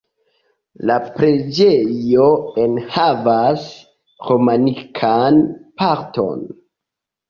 La preĝejo enhavas romanikan parton.